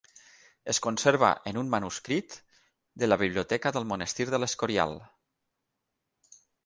Es conserva en un manuscrit de la biblioteca del monestir de l'Escorial.